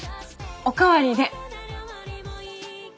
お代わりで！